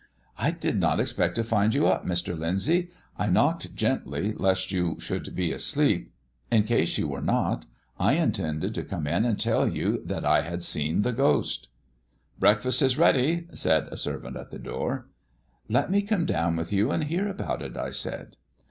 "I did not expect to find you up, Mr. Lyndsay; I knocked gently, lest you should be asleep. In case you were not, I intended to come and tell you that I had seen the ghost." "Breakfast is ready," said a servant at the door. "Let me come down with you and hear about it," I said.